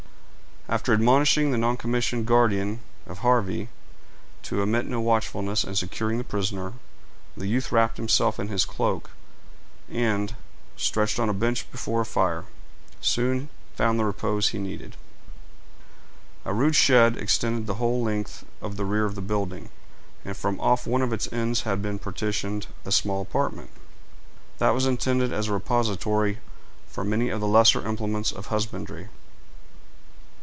After admonishing the noncommissioned guardian of Harvey to omit no watchfulness in securing the prisoner, the youth wrapped himself in his cloak, and, stretched on a bench before a fire, soon found the repose he needed. A rude shed extended the whole length of the rear of the building, and from off one of its ends had been partitioned a small apartment, that was intended as a repository for many of the lesser implements of husbandry.